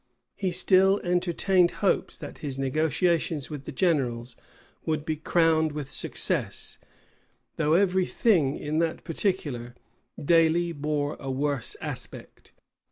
[*] He still entertained hopes that his negotiations with the generals would be crowned with success; though every thing, in that particular, daily bore a worse aspect.